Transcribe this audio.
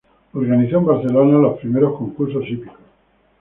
Organizó en Barcelona los primeros concursos hípicos.